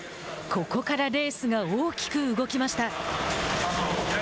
これからレースが大きく動きました。